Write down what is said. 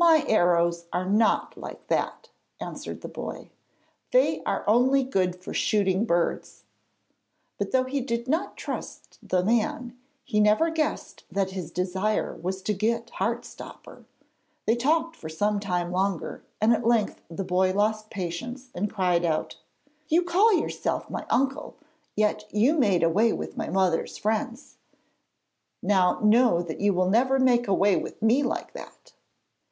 'My arrows are not like that,' answered the boy. 'They are only good for shooting birds;' but though he did not trust the man, he never guessed that his desire was to get Heart stopper. They talked for some time longer, and at length the boy lost patience and cried out: 'You call yourself my uncle, yet you made away with my mother's friends. Now know that you will never make away with me like that.'